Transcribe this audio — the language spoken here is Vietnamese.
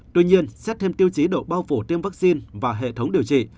tuy nhiên xét thêm tiêu chí độ bao phủ tiêm vaccine và hệ thống điều trị